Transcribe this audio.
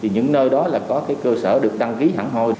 những nơi đó là có cơ sở được đăng ký hẳn hồi